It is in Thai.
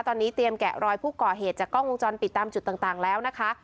ตอนนี้เตรียมแกะรอยผู้ก่อเหตุจากกล้องวงจรปิดตามจุดต่างแล้วนะคะ